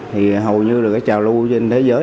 thì hầu như là cái trào lưu trên thế giới